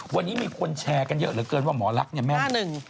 วันนี้มีคนแชร์กันเยอะเหลือเกินว่าหมอลักษณ์เนี่ยแม่หนึ่ง